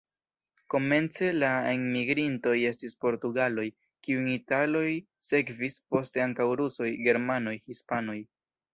Komence la enmigrintoj estis portugaloj, kiujn italoj sekvis, poste ankaŭ rusoj, germanoj, hispanoj.